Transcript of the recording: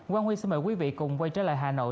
quang huy xin mời quý vị cùng quay trở lại hà nội